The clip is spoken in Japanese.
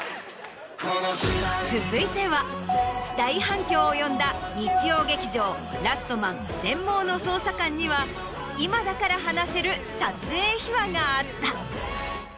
続いては大反響を呼んだ日曜劇場『ラストマン−全盲の捜査官−』には今だから話せる撮影秘話があった。